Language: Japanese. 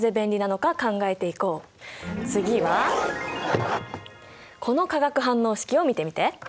次はこの化学反応式を見てみて！